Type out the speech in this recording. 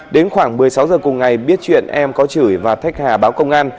đến khoảng một mươi sáu giờ cùng ngày biết chuyện em có chửi và thách hà báo công an